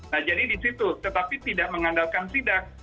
nah jadi di situ tetapi tidak mengandalkan sidak